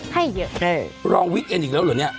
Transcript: ให้เยอะโอเคลองวิเวณอีกแล้วเหรอเนี้ย